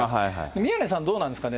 宮根さん、どうなんですかね。